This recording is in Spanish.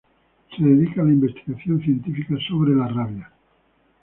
Se dedica a la investigación científica sobre la rabia.